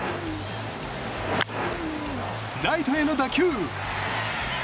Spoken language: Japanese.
ライトへの打球。